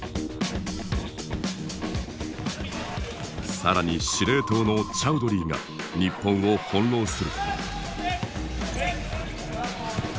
更に司令塔のチャウドリーが日本を翻弄する。